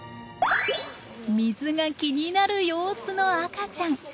水が気になる様子の赤ちゃん。